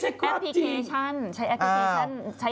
แอปพลิเคชันใช้แอปพลิเคชัน